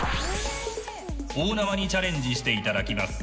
大縄にチャレンジしていただきます。